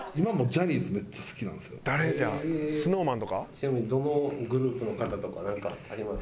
ちなみにどのグループの方とかあります？